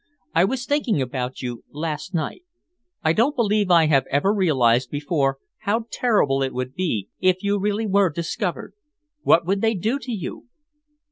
I was thinking about you last night. I don't believe I have ever realised before how terrible it would be if you really were discovered. What would they do to you?"